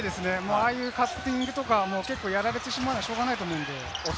ああいうカッティングとか結構やられてしまうのは、しょうがないので。